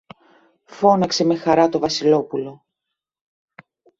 φώναξε με χαρά το Βασιλόπουλο.